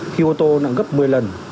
khi ô tô nặng gấp một mươi lần